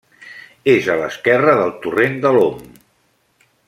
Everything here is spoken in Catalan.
És a l'esquerra del torrent de l'Om.